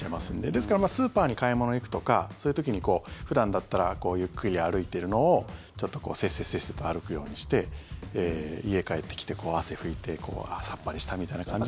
ですからスーパーに買い物に行くとかそういう時に、普段だったらゆっくり歩いてるのをちょっとせっせと歩くようにして家帰ってきて、汗拭いてああさっぱりしたみたいな感じ。